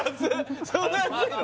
そんな安いの？